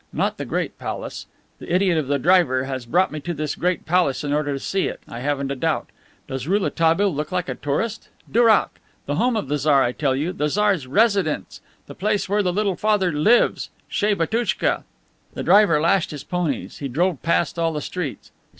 Not the great palace! The idiot of a driver has brought me to this great palace in order to see it, I haven't a doubt. Does Rouletabille look like a tourist? Dourak! The home of the Tsar, I tell you. The Tsar's residence. The place where the Little Father lives. Chez Batouchka!" The driver lashed his ponies. He drove past all the streets.